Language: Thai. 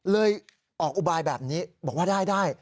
เลยออกอุบายแบบนี้บอกว่าได้